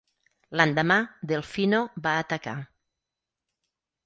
L'endemà Delfino va atacar.